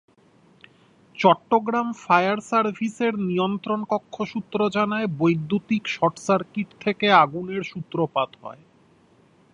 Chittagong fire সার্ভিসের নিয়ন্ত্রণকক্ষ সূত্র জানায়, বৈদ্যুতিক শর্টসার্কিট থেকে আগুনের সূত্রপাত হয়।